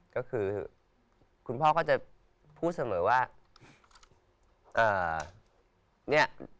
ก็คือคุณพ่อก็จะพูดเสมอว่าเนี่ย